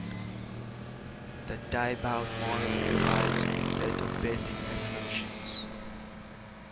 The Tiebout model relies on a set of basic assumptions.